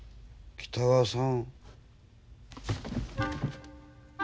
北川さん！